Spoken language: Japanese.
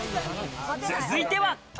続いては。